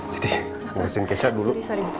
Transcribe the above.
jadi ngeresin keisha dulu